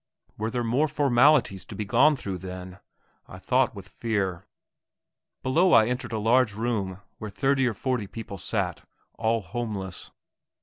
Were there more formalities to be gone through, then? I thought with fear. Below I entered a large room, where thirty or forty people sat, all homeless.